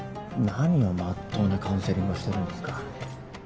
何をまっとうなカウンセリングしてるんですか？